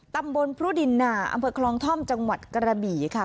ตำบลพรุดินหนาอำเภอคลองท่อมจังหวัดกระบี่ค่ะ